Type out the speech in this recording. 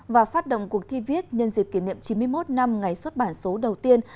và phát động cuộc thi viết nhân dịp kỷ niệm chín mươi một năm ngày xuất bản số đầu tiên